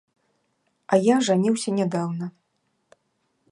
А я ажаніўся нядаўна.